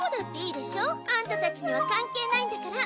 アンタたちにはかんけいないんだから。